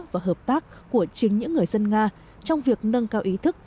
và hợp tác của chính những người dân nga trong việc nâng cao ý thức